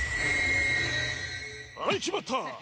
はい決まった。